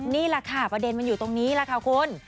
นี่แหละค่ะประเด็นมันอยู่ตรงนี้แหละค่ะคุณ